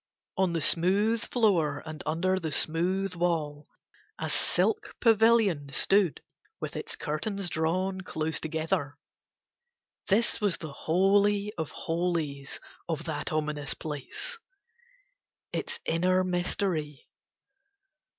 On the smooth floor and under the smooth wall a silk pavilion stood with its curtains drawn close together: this was the holy of holies of that ominous place, its inner mystery.